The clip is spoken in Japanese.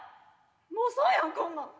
もうそうやんこんなん。